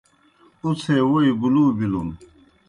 اُڅھے ووئی بُلُو بِلُن۔